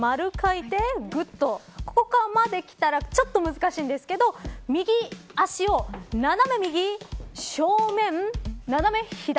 ここまできたらちょっと難しいんですけど右足を斜め右正面、斜め左。